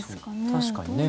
確かにね。